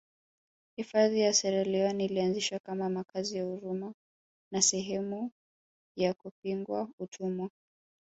Hifadhi ya Sierra Leone ilianzishwa kama makazi ya huruma na sehemu ya kupinga utumwa